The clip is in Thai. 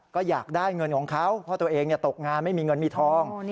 ก็อยากได้เงินของเขาเพราะตัวเองตกงานไม่มีเงินมีทอง